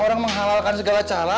orang menghalalkan segala cara